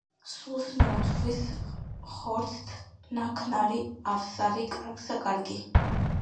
სულს მიუძღვის ხორცთ ნაქნარი, ავსა- ავი, კარგსა- კარგი.